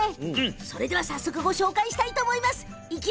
それでは早速ご紹介したいと思います。